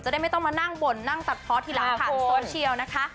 ได้ไม่ต้องมานั่งบ่นนั่งตัดเพาะทีหลังผ่านโซเชียลนะคะ